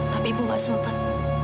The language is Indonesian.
tapi ibu gak sempat